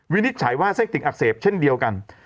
วินิจฉัยว่าไส้ติกอักเสบเช่นเดียวกัน